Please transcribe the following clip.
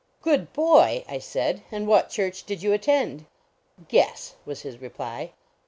"Good boy," I said, "and what church did you attend? "" Guess," was his reply.